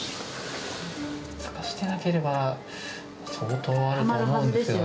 ２日してなければ相当あると思うんですけどね。